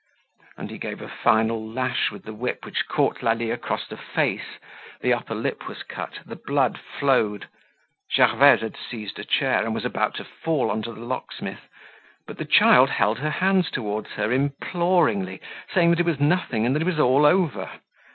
And he gave a final lash with the whip which caught Lalie across the face. The upper lip was cut, the blood flowed. Gervaise had seized a chair, and was about to fall on to the locksmith; but the child held her hands towards her imploringly, saying that it was nothing and that it was all over.